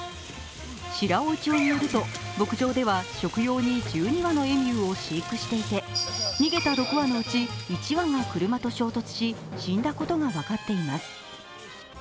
白老町によると、牧場では食用に１２羽のエミューを飼育していて逃げた６羽のうち１羽が車と衝突し、死んだことが分かっています。